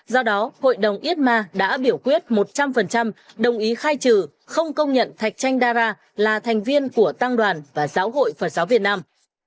do đó hội đồng yết ma đã biểu quyết một trăm linh đồng ý khai trừ không công nhận thạch chanh dara là thành viên của tăng đoàn và giáo hội phật giáo việt nam